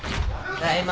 ただいま。